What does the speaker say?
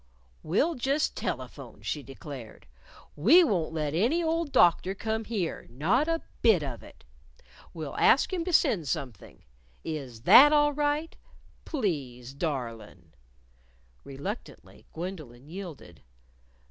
"We'll just telephone," she declared, "We wont let any old doctor come here not a bit of it. We'll ask him to send something. Is that all right. Please, darlin'." Reluctantly, Gwendolyn yielded.